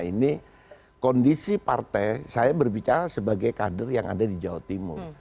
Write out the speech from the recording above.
ini kondisi partai saya berbicara sebagai kader yang ada di jawa timur